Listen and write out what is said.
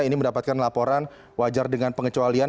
ini mendapatkan laporan wajar dengan pengecualian